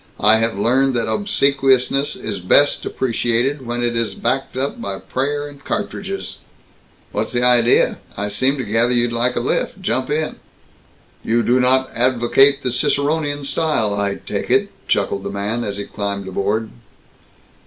I have learned that obsequiousness is best appreciated when it is backed up by prayer and ca'tridges." "What's the idea? I seem to gather you'd like a lift. Jump in." "You do not advocate the Ciceronian style, I take it," chuckled the man as he climbed aboard.